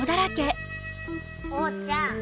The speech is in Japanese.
おうちゃん